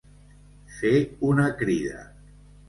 Fer una crida.